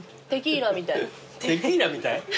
テキーラみたい？